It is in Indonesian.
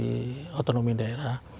di otonomi daerah